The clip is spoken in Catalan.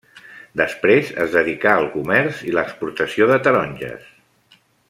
Després es dedicà al comerç i a l'exportació de taronges.